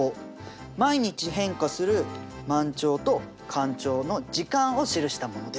毎日変化する満潮と干潮の時間を記したものです。